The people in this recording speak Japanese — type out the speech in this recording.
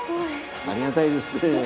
ありがたいですね。